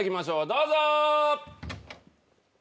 どうぞ。